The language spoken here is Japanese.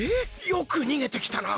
よくにげてきたな。